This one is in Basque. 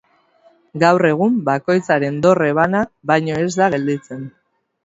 Gaur egun bakoitzaren dorre bana baino ez da gelditzen.